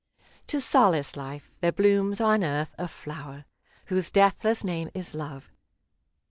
To solace life, there blooms on earth a flower Whose deathless name is Love.